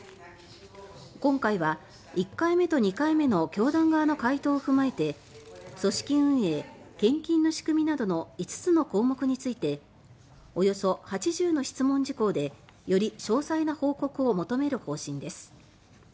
今回は、１回目と２回目の教団側の回答を踏まえて「組織運営」「献金の仕組み」などの５つの項目についておよそ８０の質問事項でより詳細な報告を求める方針です。